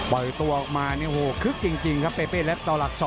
ปล่อยตัวออกมาเนี่ยโอ้โหคึกจริงครับเปเป้เล็กต่อหลัก๒